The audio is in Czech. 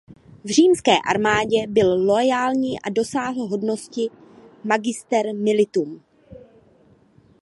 V římské armádě byl loajální a dosáhl hodnosti Magister militum.